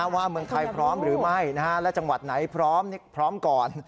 เมืองไทยพร้อมหรือไม่และจังหวัดไหนพร้อมพร้อมก่อน